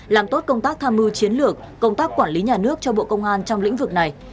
làm tốt công tác tham mưu chiến lược công tác quản lý nhà nước cho bộ công an trong lĩnh vực này